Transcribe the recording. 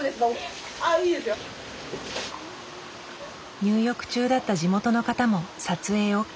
入浴中だった地元の方も撮影ＯＫ。